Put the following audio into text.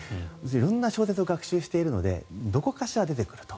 色んな小説を学習しているのでどこかしらで出てくると。